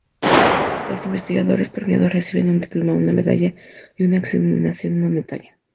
Los investigadores premiados reciben un diploma, una medalla y una asignación monetaria.